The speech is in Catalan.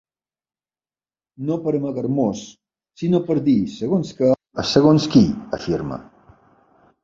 No per amagar-nos, sinó per dir segons què a segons qui, afirma.